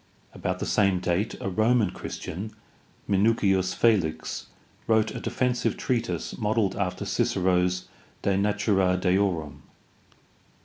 About the same date a Roman Christian, Minucius Felix, wrote a defensive treatise modeled after Cicero's De natura deorum.